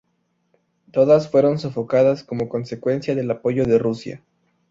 Todas fueros sofocadas como consecuencia del apoyo de Rusia.